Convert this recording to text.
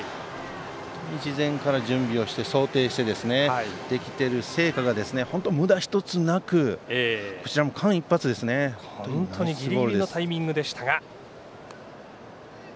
本当に事前から準備をして想定してできてる成果が本当にむだ１つなく本当にギリギリのタイミングでしたが。